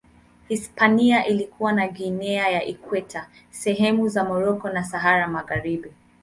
Hispania ilikuwa na Guinea ya Ikweta, sehemu za Moroko na Sahara Magharibi.